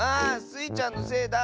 スイちゃんのせいだ！